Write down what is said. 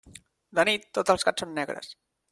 De nit, tots els gats són negres.